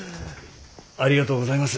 ありがとうございます。